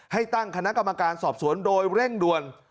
ให้ตั้งคณะกรรมการสอบสวนโดยเร่งด่วน